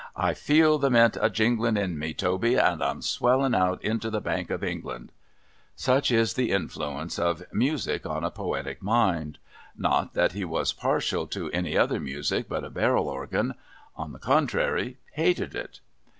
I feel the Mint a jingling in me, Toby, and I'm swelling out into the Bank of England !' Such is the influence of music on a poetic mind. Not that he was partial to any other music but a barrel organ ; on the contrairy, hated it.